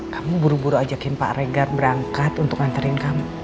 kamu buru buru ajakin pak regar berangkat untuk ngantarin kamu